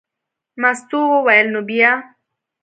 مستو وویل: نو بیا.